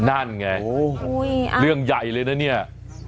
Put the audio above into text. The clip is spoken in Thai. นั่นไงเรื่องใหญ่เลยนะเนี่ย